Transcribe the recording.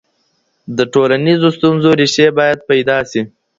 د ټولنيزو ستونزو ريښې بايد پيدا سي.